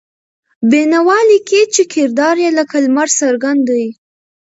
بېنوا لیکي چې کردار یې لکه لمر څرګند دی.